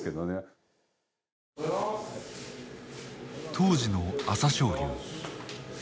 当時の朝青龍。